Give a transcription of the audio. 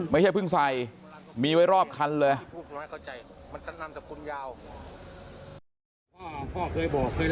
ไม่ใช่เพิ่งใส่มีไว้รอบคันเลย